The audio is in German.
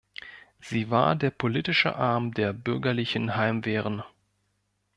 Sie war der politische Arm der bürgerlichen Heimwehren.